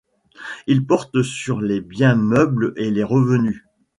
Il porte sur les biens meubles et les revenus.